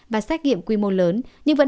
và xét nghiệm quy mô lớn nhưng vẫn